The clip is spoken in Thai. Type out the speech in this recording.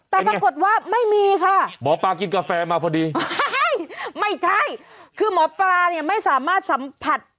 แต่ปรากฏว่าไม่มีค่ะหมอปลากินกาแฟมาพอดีไม่ใช่คือหมอปลาเนี่ยไม่สามารถสัมผัส